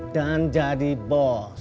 dan jadi bos